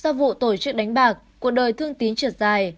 do vụ tổ chức đánh bạc cuộc đời thương tín trượt dài